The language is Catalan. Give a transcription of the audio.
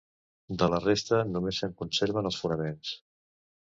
De la resta només se'n conserven els fonaments.